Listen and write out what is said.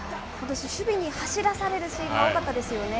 守備に走らされるシーンが多かったですよね。